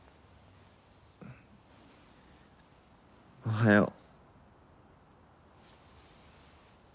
おはよう。